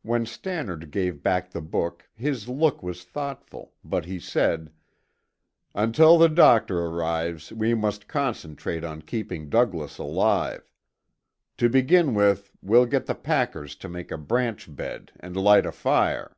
When Stannard gave back the book his look was thoughtful, but he said, "Until the doctor arrives, we must concentrate on keeping Douglas alive. To begin with, we'll get the packers to make a branch bed and light a fire."